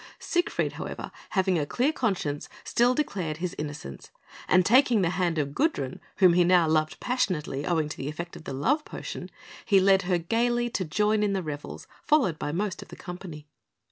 Siegfried, however, having a clear conscience, still declared his innocence; and taking the hand of Gudrun, whom he now loved passionately owing to the effect of the love potion, he led her gaily to join in the revels, followed by most of the company.